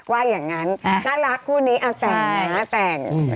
ว่าอย่างนั้นน่ารักคู่นี้เอาแต่งนะแต่ง